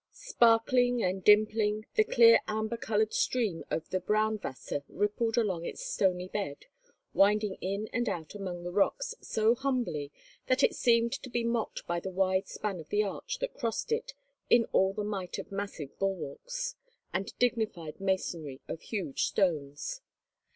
Sparkling and dimpling, the clear amber coloured stream of the Braunwasser rippled along its stony bed, winding in and out among the rocks so humbly that it seemed to be mocked by the wide span of the arch that crossed it in all the might of massive bulwarks, and dignified masonry of huge stones.